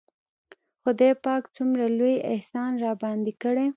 خداى پاک څومره لوى احسان راباندې کړى.